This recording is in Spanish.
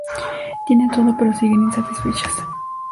Tienen todo pero siguen insatisfechas.